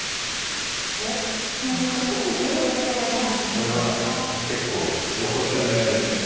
これは結構露骨な狙いですね。